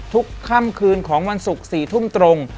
ค่ำคืนของวันศุกร์๔ทุ่มตรง